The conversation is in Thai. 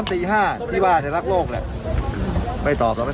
ไม่ตอบเราไม่ตอบอะเธอไม่ต้องตอบอะเธอไม่ฟังอยู่แหละ